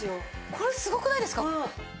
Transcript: これすごくないですか！？